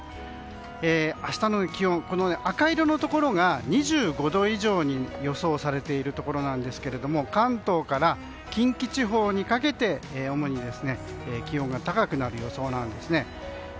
明日の気温、赤色のところが２５度以上に予想されているところなんですが関東から近畿地方にかけて主に気温が高くなる予想です。